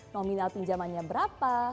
nominal pinjamannya berapa